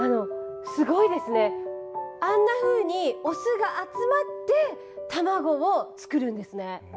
あんなふうにオスが集まって卵を作るんですね。